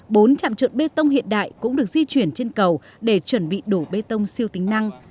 bốn trạm trộn bê tông hiện đại cũng được di chuyển trên cầu để chuẩn bị đổ bê tông siêu tính năng